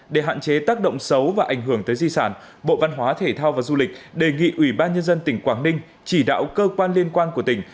để hạn chế tác động xấu và ảnh hưởng tới di sản bộ văn hóa thể thao và du lịch đề nghị ủy ban nhân dân tỉnh quảng ninh chỉ đạo cơ quan liên quan của tỉnh